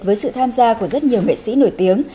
với sự tham gia của rất nhiều nghệ sĩ nổi tiếng